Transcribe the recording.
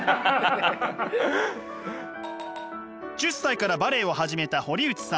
１０歳からバレエを始めた堀内さん。